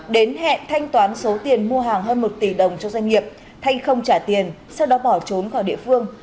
đến hẹn thanh toán số tiền mua hàng hơn một tỷ đồng cho doanh nghiệp thanh không trả tiền sau đó bỏ trốn khỏi địa phương